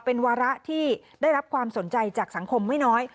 เป็นวาระที่ได้รับความสนใจจากสังคมไม่น้อย